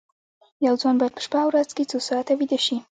یو ځوان باید په شپه او ورځ کې څو ساعته ویده شي